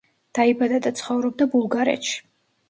დაიბადა და ცხოვრობდა ბულგარეთში.